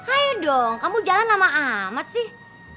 ayo dong kamu jalan lama amat sih